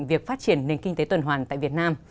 việc phát triển nền kinh tế tuần hoàn tại việt nam